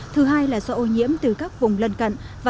thứ hai là do ô nhiễm từ các môi trường